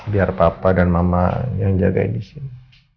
biar papa dan mama yang jagain di sini